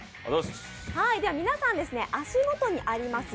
皆さん、足元にあります